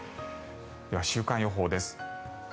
では週間予報です。